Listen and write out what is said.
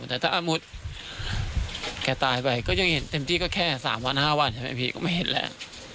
แต่ถ้าอันบุญแกตายไปก็ยังเห็นเต็มที่แค่๓๕วันไม่เห็นแล้ว